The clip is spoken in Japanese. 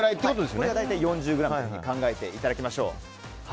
これが大体４０ｇと考えていただきましょう。